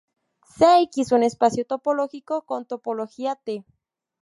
Sea "X" un espacio topológico con topología "T".